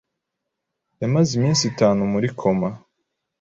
Yamaze iminsi itanu muri koma